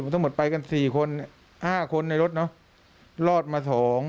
ทั้งหมดไปกัน๔คน๕คนในรถเนอะรอดมา๒